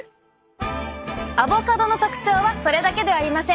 アボカドの特徴はそれだけではありません。